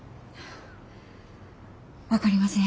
分かりません。